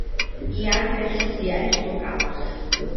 Hi ha diversos diaris locals.